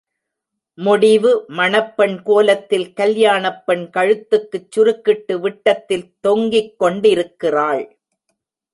முடிவு மணப்பெண் கோலத்தில் கல்யாணப் பெண் கழுத்துக்குச் சுருக்கிட்டு, விட்டத்தில் தொங்கிக் கொண்டிருக்கிறாள்!